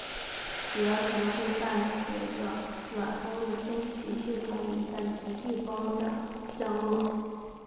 雪可能会伴随着暖锋的天气系统里向极地方向降落。